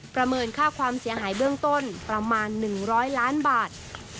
เมินค่าความเสียหายเบื้องต้นประมาณ๑๐๐ล้านบาท